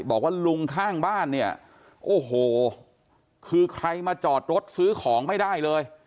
บอกว่าลุงข้างบ้านเนี่ยโอ้โหคือใครมาจอดรถซื้อของไม่ได้เลย